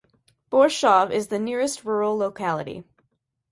Borhshchov is the nearest rural locality.